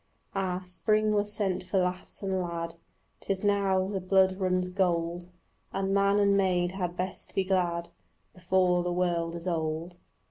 Ah, spring was sent for lass and lad, 'Tis now the blood runs gold, And man and maid had best be glad Before the world is old.